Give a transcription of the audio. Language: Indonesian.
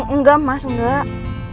enggak mas enggak